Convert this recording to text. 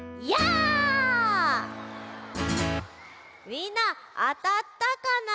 みんなあたったかな？